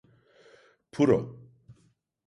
Puro…